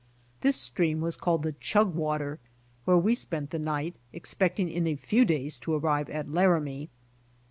This streami was called tlie Chugwater, where we spent the night, expecting in a few days to arrive at Laramie.